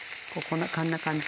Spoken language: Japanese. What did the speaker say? こんな感じ。